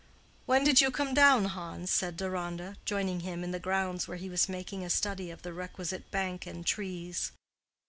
"When did you come down, Hans?" said Deronda, joining him in the grounds where he was making a study of the requisite bank and trees.